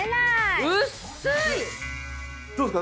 どうですか？